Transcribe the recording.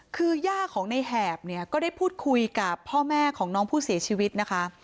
คือย่าของในแหบเนี่ยก็ได้พูดคุยกับพ่อแม่ของน้องผู้เสียชีวิตนะคะ